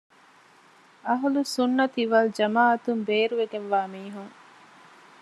އަހުލުއްސުންނަތި ވަލްޖަމާޢަތުން ބޭރުވެގެންވާ މީހުން